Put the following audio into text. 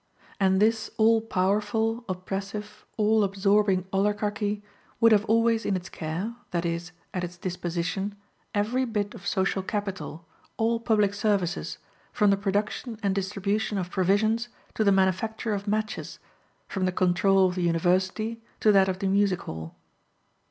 And this all powerful, oppressive, all absorbing oligarchy would have always in its care, that is, at its disposition, every bit of social capital, all public services, from the production and distribution of provisions to the manufacture of matches, from the control of the university to that of the music hall.